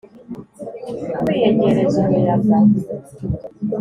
kwiyegereza umuyaga